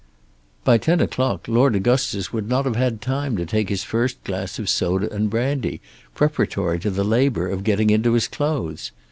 By ten o'clock Lord Augustus would not have had time to take his first glass of soda and brandy preparatory to the labour of getting into his clothes.